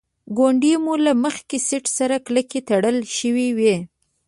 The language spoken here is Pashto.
ګونډې مو له مخکې سیټ سره کلکې تړل شوې وې.